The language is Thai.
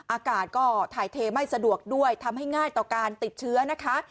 อากาศก็ถ่ายเทไม่สะดวกด้วยทำให้ง่ายต่อการติดเชื้อนะคะ